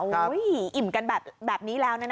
ใช่ค่ะอุ้ยอิ่มกันแบบนี้แล้วนะฮะ